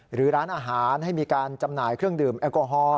หรือร้านอาหารให้มีการจำหน่ายเครื่องดื่มแอลกอฮอล